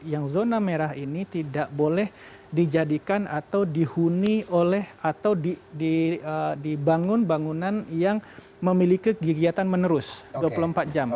yang zona merah ini tidak boleh dijadikan atau dihuni oleh atau dibangun bangunan yang memiliki kegiatan menerus dua puluh empat jam